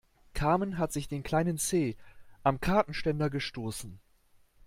Carmen hat sich den kleinen Zeh am Kartenständer gestoßen.